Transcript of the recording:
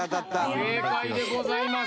正解でございます。